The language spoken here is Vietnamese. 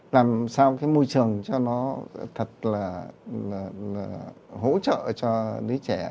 làm sao cái môi trường cho nó thật là hỗ trợ cho đứa trẻ